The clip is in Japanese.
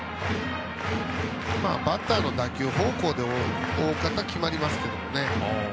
バッターの打球方向で大方決まりますけどね。